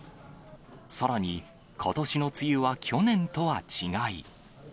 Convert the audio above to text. さらに、ことしの梅雨は去年とは違い。